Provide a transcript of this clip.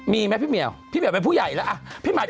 มีมั้ยพี่เมียวพี่เมียวเป็นผู้ใหญ่แล้ว